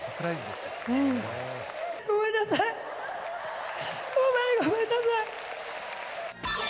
ごめんなさい。